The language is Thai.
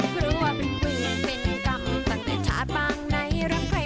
เพราะว่าเป็นวื่นเป็นกรรมตั้งแต่ชาติบ้างในเรื่องใคร